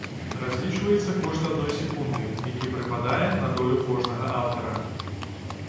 Разлічваецца кошт адной секунды, які прыпадае на долю кожнага аўтара.